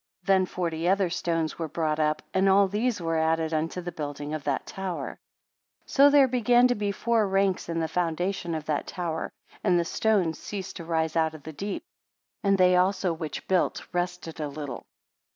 Then forty other stones were brought up, and all these were added unto the building of that tower. 33 So there began to be four ranks in the foundation of that tower; and the stones ceased to rise out of the deep; and they also which built rested a little.